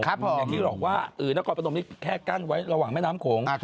อย่างที่บอกว่านครพนมนี้แค่กั้นไว้ระหว่างแม่น้ำโขง